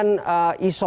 yang kemudian isu